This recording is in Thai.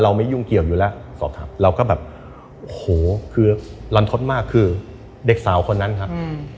ไม่ยุ่งเกี่ยวอยู่แล้วสอบถามเราก็แบบโอ้โหคือรันทดมากคือเด็กสาวคนนั้นครับ